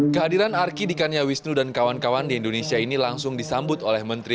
kehadiran arki dikanya wisnu dan kawan kawan di indonesia ini langsung disambut oleh menteri